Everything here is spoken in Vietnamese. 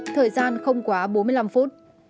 thời gian không quá bốn mươi năm phút